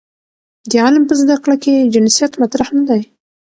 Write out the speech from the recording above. د علم په زده کړه کې جنسیت مطرح نه دی.